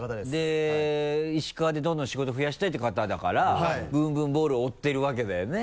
で石川でどんどん仕事増やしたいっていう方だからぶんぶんボウルを追っているわけだよね？